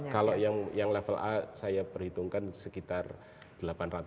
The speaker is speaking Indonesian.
kalau yang level a saya perhitungkan sekitar delapan ratus